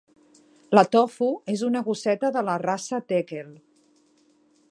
La Tofu és una gosseta de la raça tekel